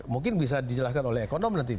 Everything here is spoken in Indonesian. mungkin bisa dijelaskan oleh ekonom nanti